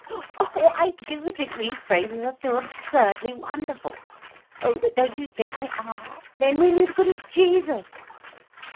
Oh, I do think these phrases are too absurdly wonderful. Oh but don't you think they are—they're nearly as good as Jesus.